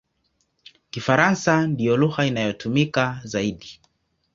Kifaransa ndiyo lugha inayotumika zaidi.